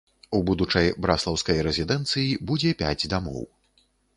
У будучай браслаўскай рэзідэнцыі будзе пяць дамоў.